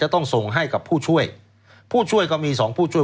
ต้องส่งให้กับผู้ช่วยผู้ช่วยก็มีสองผู้ช่วย